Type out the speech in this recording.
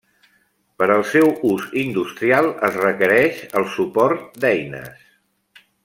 Per al seu ús industrial, es requereix el suport d'eines.